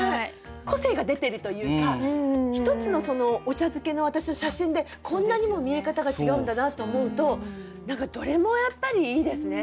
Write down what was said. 個性が出てるというか１つのお茶漬けの私の写真でこんなにも見え方が違うんだなと思うと何かどれもやっぱりいいですね。